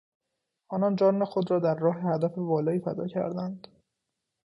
آنان جان خود را در راه هدف والایی فدا کردند.